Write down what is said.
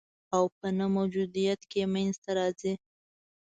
او په نه موجودیت کي یې منځ ته راځي